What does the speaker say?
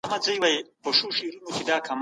هغه ځای خورا ارام او پاک دی.